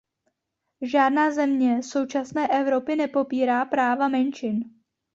Žádná země současné Evropy nepopírá práva menšin.